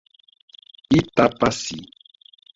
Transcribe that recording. Itapaci